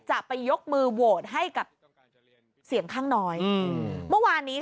จะไปยกมือโหวตให้กับเสียงข้างน้อยอืมเมื่อวานนี้